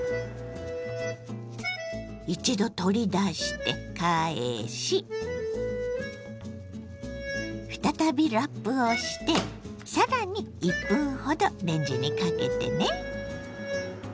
一度取り出して返し再びラップをして更に１分ほどレンジにかけてね。